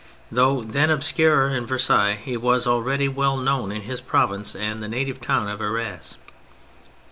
Though then obscure in Versailles, he was already well known in his province and native town of Arras.